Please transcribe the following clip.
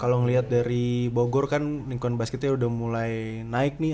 kalau ngeliat dari bogor kan nicon basketnya udah mulai naik nih